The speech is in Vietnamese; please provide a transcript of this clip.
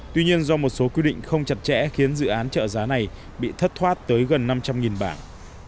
tuy nhiên do một số quy định không chặt chẽ khiến dự án trợ giá này bị thất thoát tới gần năm trăm linh bảng